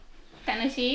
楽しい。